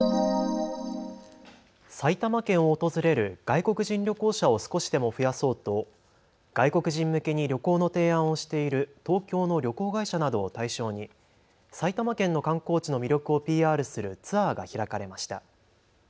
埼玉県を訪れる外国人旅行者を少しでも増やそうと外国人向けに旅行の提案をしている東京の旅行会社などを対象に埼玉県の観光地の魅力をＰＲするツアーが開かれました。